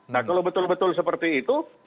nah kalau betul betul seperti itu